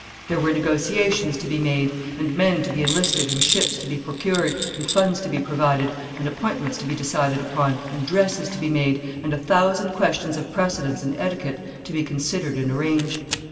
There were negotiations to be made, and men to be enlisted, and ships to be procured, and funds to be provided, and appointments to be decided upon, and dresses to be made, and a thousand questions of precedence and etiquette to be considered and arranged.